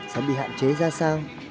sẽ bị hạn chế ra sao